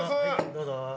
どうぞ。